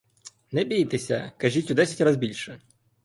Не бійтеся, кажіть у десять раз більше.